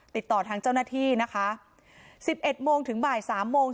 ติดต่อทางเจ้าหน้าที่นะคะสิบเอ็ดโมงถึงบ่ายสามโมง